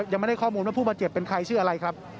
ยังไม่ได้ข้อมูลว่าผู้บาดเจ็บเป็นใครชื่ออะไรครับ